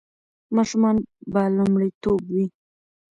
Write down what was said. ماشومان به لومړیتوب وي.